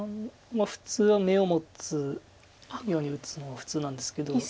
普通は眼を持つように打つのが普通なんですけど。